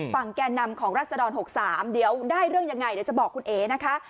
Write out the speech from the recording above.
แก่นำของรัศดร๖๓เดี๋ยวได้เรื่องยังไงเดี๋ยวจะบอกคุณเอ๋นะคะ